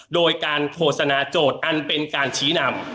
โดยการโฆษณาโจทย์อันเป็นการชี้นำ